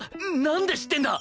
なんで知ってんだ！？